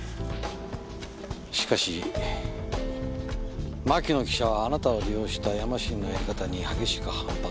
しかし牧野記者はあなたを利用したヤマシンのやり方に激しく反発。